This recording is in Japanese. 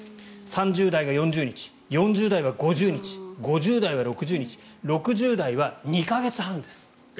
３０代が４０日４０代が５０日５０代は６０日６０代は２か月半です。